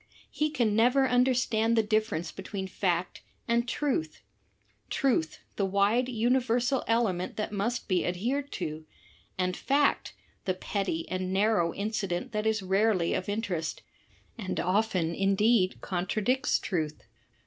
He can never understand the difference between fact and truth — truth, the wide universal element that must be adhered to; and fact, the petty and narrow incident that is rarely of interest, and often indeed contra dicts truth.